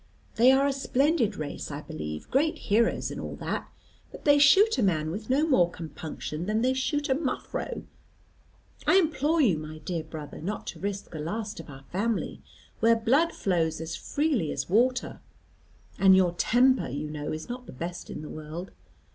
They are a splendid race, I believe, great heroes and all that, but they shoot a man with no more compunction than they shoot a muffro. I implore you, my dear brother, not to risk the last of our family, where blood flows as freely as water. And your temper, you know, is not the best in the world.